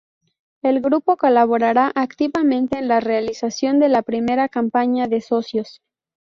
El grupo colaborará activamente en la realización de la primera campaña de socios.